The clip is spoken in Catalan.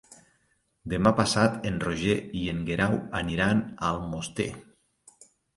Demà passat en Roger i en Guerau aniran a Almoster.